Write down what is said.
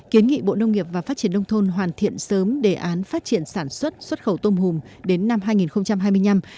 kiến nghị bộ nông nghiệp và phát triển nông thôn hoàn thiện sớm đề án phát triển sản xuất xuất khẩu tôm hùm đến năm hai nghìn hai mươi năm